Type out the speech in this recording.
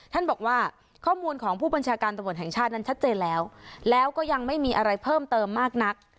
ท่านบอกว่าข้อมูลของผู้บัญชาการตำรวจแห่งชาตินั้นชัดเจนแล้วแล้วก็ยังไม่มีอะไรเพิ่มเติมมากนัก